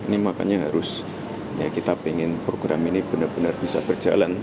ini makanya harus ya kita ingin program ini benar benar bisa berjalan